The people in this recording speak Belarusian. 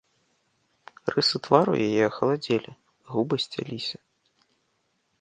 Рысы твару яе ахаладзелі, губы сцяліся.